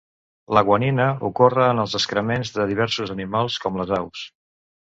La guanina ocorre en els excrements de diversos animals, com les aus.